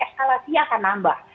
dan eskalasi akan nambah